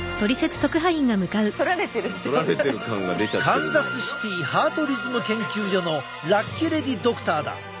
カンザスシティハートリズム研究所のラッキレディドクターだ。